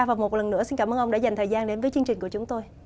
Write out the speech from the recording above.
và một lần nữa xin cảm ơn ông đã dành thời gian đến với chương trình của chúng tôi